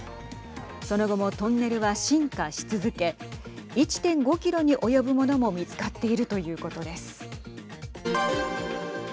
その後もトンネルは進化し続け１．５キロに及ぶものも見つかっているということです。